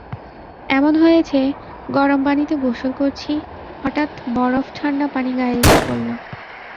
এমন হয়েছে, গরম পানিতে গোসল করছি, হঠাৎ বরফঠান্ডা পানি গায়ে এসে পড়ল।